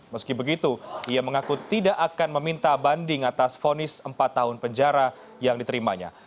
meski begitu ia mengaku tidak akan meminta banding atas vonis empat tahun penjara yang diterimanya